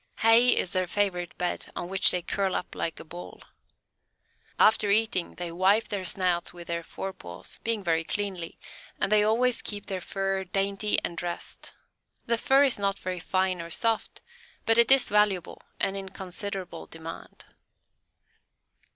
Hay is their favorite bed, on which they curl up like a ball. After eating, they wipe their snouts with their forepaws, being very cleanly, and they always keep their fur dainty and dressed. The fur is not very fine or soft, but it is valuable and in considerable demand.